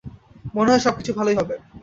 মনে হয় সবকিছু ভালোই হবে।